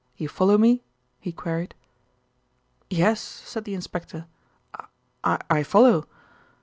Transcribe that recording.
You follow me?" he queried. "Yes," said the inspector, "I I follow."